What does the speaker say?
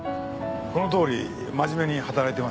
このとおり真面目に働いてます。